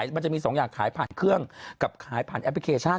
มันจะมีสองอย่างขายผ่านเครื่องกับขายผ่านแอปพลิเคชัน